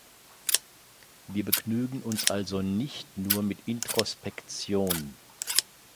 Wir begnügen uns also nicht nur mit Introspektion.